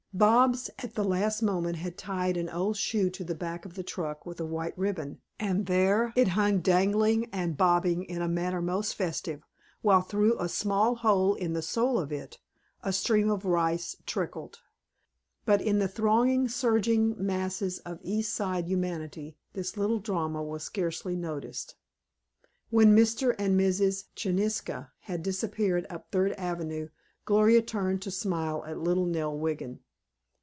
Bobs at the last moment had tied an old shoe to the back of the truck with a white ribbon, and there it hung dangling and bobbing in a manner most festive, while through a small hole in the sole of it a stream of rice trickled, but in the thronging, surging masses of East Side humanity this little drama was scarcely noticed. When Mr. and Mrs. Cheniska had disappeared up Third Avenue, Gloria turned to smile at little Nell Wiggin.